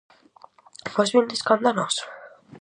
Vós vindes canda nós?